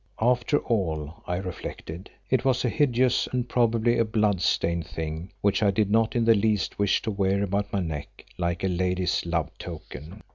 After all, I reflected, it was a hideous and probably a blood stained thing which I did not in the least wish to wear about my neck like a lady's love token.